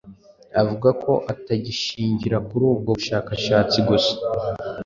avuga ko utashingira kuri ubwo bushakashatsi gusa